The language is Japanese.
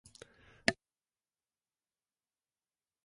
たった二人だけの